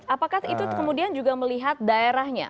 apakah itu kemudian juga melihat daerahnya